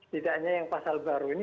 tidak hanya yang pasal baru ini